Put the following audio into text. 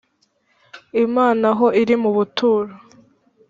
Imana aho iri mu buturo